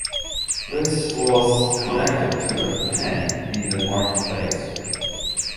This was connected to a pant in the Market Place.